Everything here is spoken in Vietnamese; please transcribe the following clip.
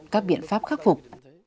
các biện pháp khắc phục